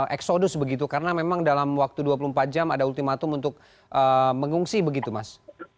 eksodus begitu karena memang dalam waktu dua puluh empat jam ada ultimatum untuk mengungsi begitu mas